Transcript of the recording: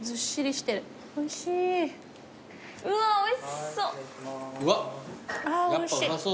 うわおいしそう。